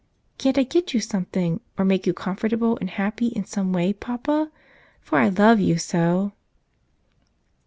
"Can't I get you something, or make you comfort¬ able and happy in some way, papa? For I love you so."